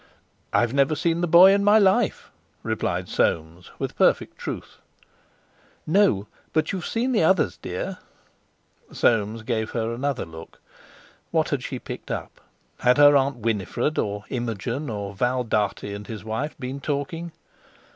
"I've never seen the boy in my life," replied Soames with perfect truth. "No; but you've seen the others, dear." Soames gave her another look. What had she picked up? Had her Aunt Winifred, or Imogen, or Val Dartie and his wife, been talking?